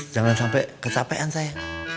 jangan sampai kecapean saya